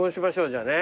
じゃあね。